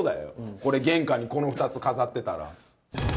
これ、玄関にこの２つ、飾ってたら。